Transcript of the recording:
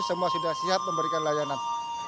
semua sudah siap memberikan layanan